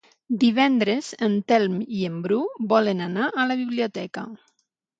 Divendres en Telm i en Bru volen anar a la biblioteca.